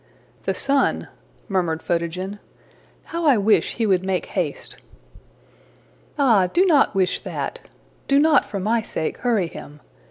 '' ``The sun,'' murmured Photogen. ``How I wish he would make haste!'' ``Ah! do not wish that. Do not, for my sake, hurry him.